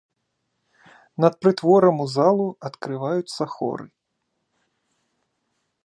Над прытворам у залу адкрываюцца хоры.